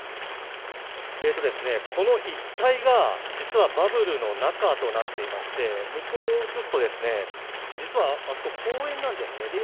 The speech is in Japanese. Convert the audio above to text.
この一帯が実はバブルの中となっていまして向こうを映すと、実はあそこは公園なんですね。